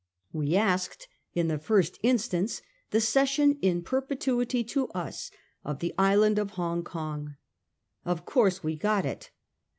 We asked in the first instance the cession in perpetuity to us of the island of Hong Kong. Of course we got it.